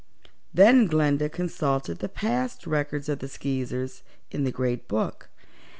Then Glinda consulted the past records of the Skeezers in the Great Book.